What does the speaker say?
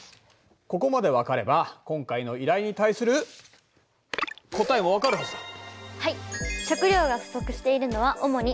ここまで分かれば今回の依頼に対する答えも分かるはずだ。